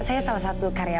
saya salah satu karyawan